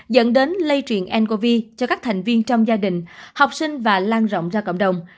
dẫn đến lây truyền ncov cho các thành viên trong gia đình học sinh và lan rộng ra cộng đồng